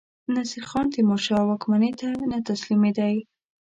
نصیرخان تیمورشاه واکمنۍ ته نه تسلیمېدی.